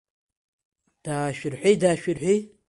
Даашәырҳәи, даашәырҳәи!